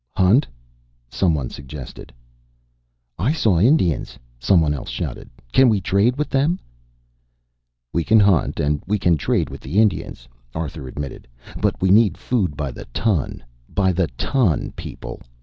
"Hunt?" some one suggested. "I saw Indians," some one else shouted. "Can we trade with them?" "We can hunt and we can trade with the Indians," Arthur admitted, "but we need food by the ton by the ton, people!